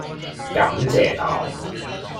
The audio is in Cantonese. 感謝黨